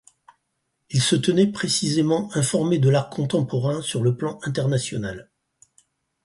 Il se tenait précisément informé de l'art contemporain sur le plan international.